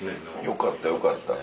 よかったよかった。